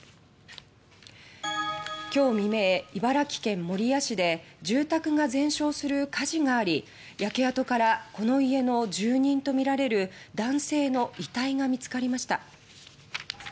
今日未明、茨城県守谷市で住宅が全焼する火事があり焼け跡からこの家の住人とみられる男性の遺体が見つかりました。